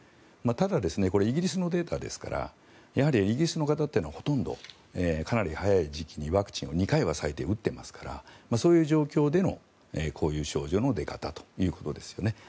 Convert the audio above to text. ただ、イギリスのデータですからやはりイギリスの方というのはほとんどかなりの方がワクチンを２回は最低打っていますからそういう状況でのこういう症状の出方ということですね。